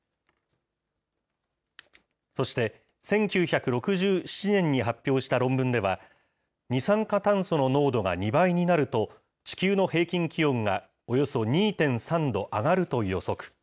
そして、１９６７年に発表した論文では、二酸化炭素の濃度が２倍になると、地球の平均気温がおよそ２．３度上がると予測。